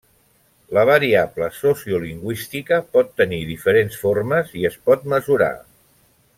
La variable sociolingüística pot tenir diferents formes i es pot mesurar.